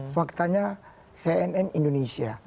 faktanya cnn indonesia